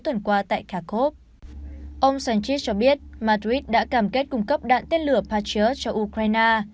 tuần qua tại kharkov ông sánchez cho biết madrid đã cam kết cung cấp đạn tên lửa patriot cho ukraine